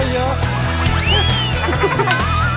นี่ก็บอกก่อน